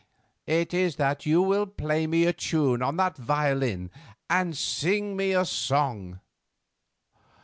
It is that you will play me a tune on the violin and sing me a song."